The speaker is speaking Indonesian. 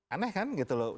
aneh kan gitu loh